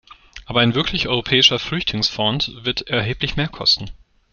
Aber ein wirklich europäischer Flüchtlingsfonds wird erheblich mehr kosten.